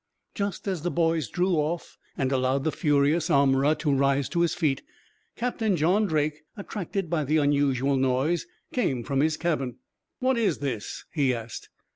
Just as the boys drew off, and allowed the furious armorer to rise to his feet, Captain John Drake, attracted by the unusual noise, came from his cabin. "What is this?" he asked.